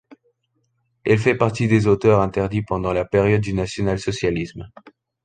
Elle fait partie des auteurs interdits pendant la période du national-socialisme.